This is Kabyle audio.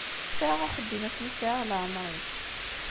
Sɛiɣ axeddim asmi sɛiɣ leɛmeṛ-ik.